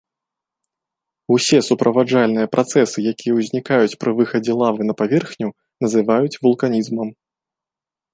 Усе суправаджальныя працэсы, якія ўзнікаюць пры выхадзе лавы на паверхню, называюць вулканізмам.